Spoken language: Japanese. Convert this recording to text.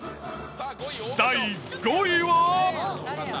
第５位は。